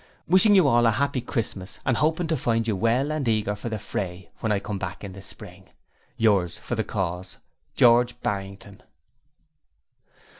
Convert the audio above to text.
'Wishing you all a happy Xmas and hoping to find you well and eager for the fray when I come back in the spring, 'Yours for the cause, 'George Barrington.'